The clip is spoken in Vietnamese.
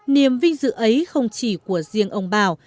niềm vinh dự ấy không chỉ của riêng ông bảo